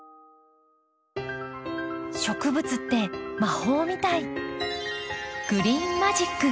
植物って魔法みたい。